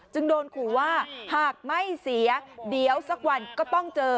จึงโดนขู่ว่าหากไม่เสียเดี๋ยวสักวันก็ต้องเจอ